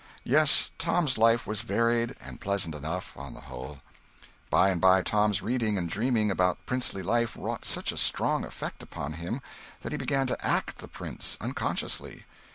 Yes, Tom's life was varied and pleasant enough, on the whole. By and by Tom's reading and dreaming about princely life wrought such a strong effect upon him that he began to act the prince, unconsciously.